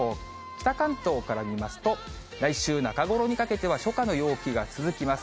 北関東から見ますと、来週中ごろにかけては、初夏の陽気が続きます。